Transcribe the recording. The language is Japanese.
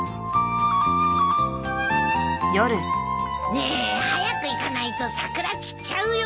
ねえ早く行かないと桜散っちゃうよ。